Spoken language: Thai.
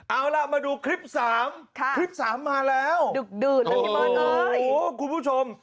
เอาล่ะมาดูคลิป๓คลิป๓มาแล้วดึดดื่มดึดโอ้โหคุณผู้ชม